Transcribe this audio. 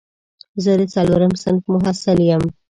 زه د څلورم صنف محصل یم